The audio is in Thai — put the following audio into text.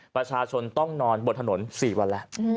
ประชาชนต้องนอนบนถนน๔วันแล้ว